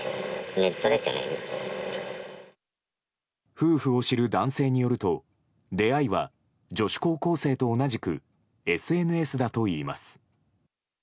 夫婦を知る男性によると出会いは、女子高校生と同じくＳＮＳだといいます。